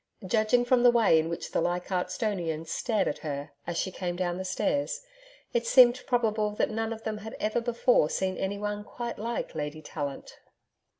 Judging from the way in which the Leichardt'stonians stared at her as she came down the stairs, it seemed probable that none of them had ever before seen anyone quite like Lady Tallant.